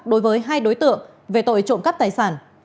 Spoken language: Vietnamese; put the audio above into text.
đối với hai đối tượng về tội trộm cắp tài sản